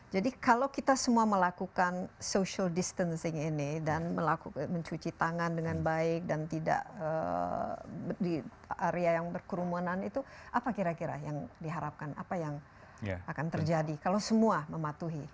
jadi kalau kita semua melakukan social distancing ini dan mencuci tangan dengan baik dan tidak di area yang berkerumunan itu apa kira kira yang diharapkan apa yang akan terjadi kalau semua mematuhi